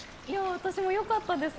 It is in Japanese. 私もよかったです。